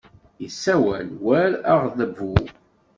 Yessawal war aɣdebbu.